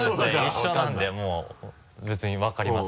一緒なんでもう別にわかります